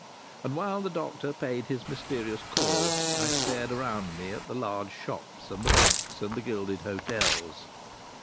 And while the doctor paid his mysterious call I stared around me at the large shops and the banks and the gilded hotels.